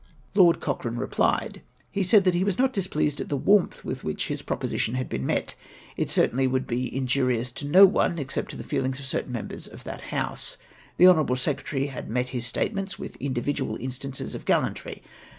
" Lord Cocheane replied. He said he was not displeased at the warmth witli Avhich his proposition had been met. It certainly Avould be injurious to no one except to the feelings of certain members of that House. The honourable secre tary had met his statements Avitli individual instances of gallantry.